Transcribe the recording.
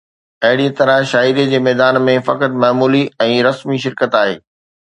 اهڙيءَ طرح شاعريءَ جي ميدان ۾ فقط معمولي ۽ رسمي شرڪت آهي